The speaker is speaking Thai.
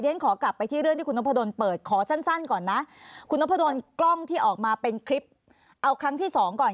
ฉันขอกลับไปที่เรื่องที่คุณนพดลเปิดขอสั้นก่อนนะคุณนพดลกล้องที่ออกมาเป็นคลิปเอาครั้งที่สองก่อน